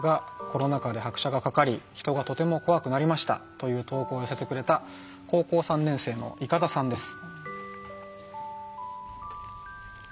という投稿を寄せてくれた高校３年生のいかださんです。